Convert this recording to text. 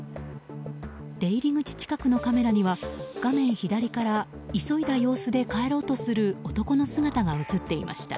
出入り口近くのカメラには画面左から急いだ様子で帰ろうとする男の姿が映っていました。